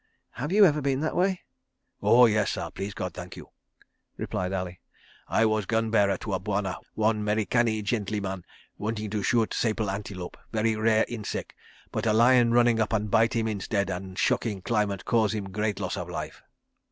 "Have you ever been that way?" "Oh, yes, sah, please God, thank you," replied Ali. "I was gun bearer to a bwana, one 'Mericani gentlyman wanting to shoot sable antelope—very rare inseck—but a lion running up and bite him instead, and shocking climate cause him great loss of life."